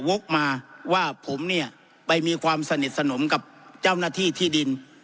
วกมาว่าผมเนี่ยไปมีความสนิทสนมกับเจ้าหน้าที่ที่ดิน